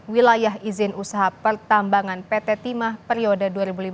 wilayah izin usaha pertambangan pt timah periode dua ribu lima belas dua ribu